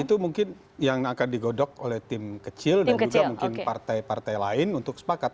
itu mungkin yang akan digodok oleh tim kecil dan juga mungkin partai partai lain untuk sepakat